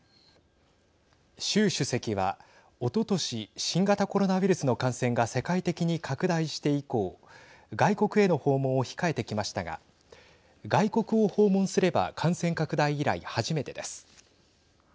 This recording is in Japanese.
習主席はおととし新型コロナウイルスの感染が世界的に拡大して以降外国への訪問を控えてきましたが外国を訪問すれば感染拡大以来、初めてです。